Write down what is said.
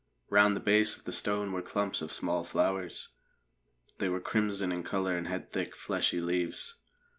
Round the base of the stone were clumps of small flowers. They were crimson in colour and had thick, fleshy leaves.